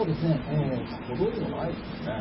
歩道にもないですもんね。